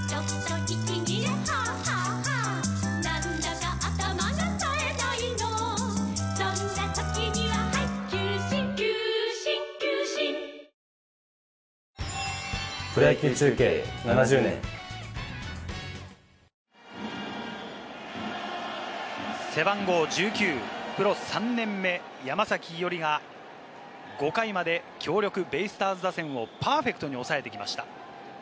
かつてジャイアンツでも背番号１９、プロ３年目、山崎伊織が５回まで強力ベイスターズ打線をパーフェクトに抑えてきました。